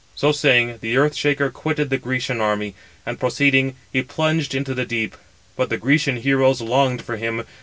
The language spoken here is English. So saying, the Earth shaker quitted the Grecian army, and proceeding, he plunged into the deep; but the Grecian heroes longed for him.